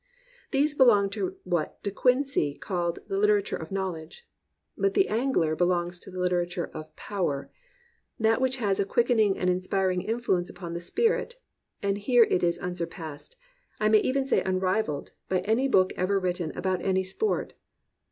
These belong to what De Quincey called "the literature of knowl edge." But the Angler belongs to "the literature of power," — that which has a quickening and inspiring influence upon the spirit, — and here it is unsurpassed, I may even say unrivalled, by any book ever written about any sport.